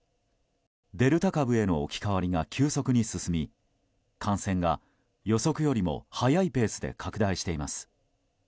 デルタ株への置き換わりが急速に進み感染が予測よりも速いペースで拡大しています。